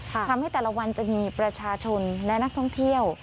ทำให้แต่ละวันจะมีประชาชนและนักท่องเที่ยว